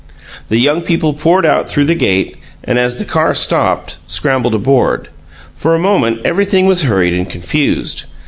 The young people poured out through the gate, and, as the car stopped, scrambled aboard. For a moment everything was hurried and confused.